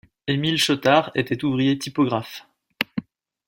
Émile Chautard était ouvrier typographe.